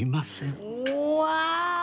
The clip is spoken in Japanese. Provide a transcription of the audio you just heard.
うわ！